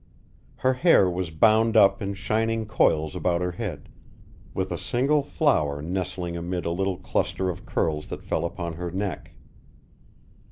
Her hair was bound up in shining coils about her head, with a single flower nestling amid a little cluster of curls that fell upon her neck.